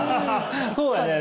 そうやね！